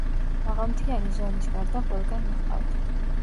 მაღალმთიანი ზონის გარდა ყველგან მოჰყავთ.